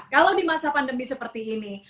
kalau di masa pandemi seperti ini